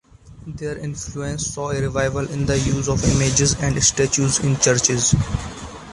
Their influence saw a revival in the use of images and statues in churches.